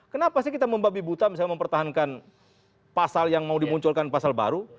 kenapa sih kita membabi buta misalnya mempertahankan pasal yang mau dimunculkan pasal baru